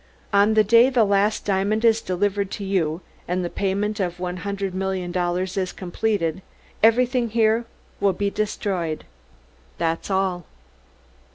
On the day the last diamond is delivered to you, and the payment of one hundred million dollars is completed, everything here will be destroyed. That's all!"